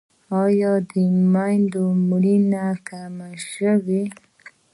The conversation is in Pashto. آیا د میندو مړینه کمه شوې؟